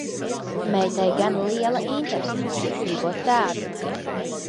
Meitai gan liela interese, gribot tādu.